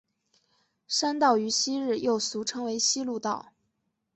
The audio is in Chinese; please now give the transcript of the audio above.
山道于昔日又俗称为希路道。